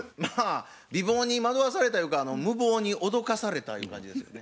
美貌に惑わされたゆうか無謀に脅かされたゆう感じですよね。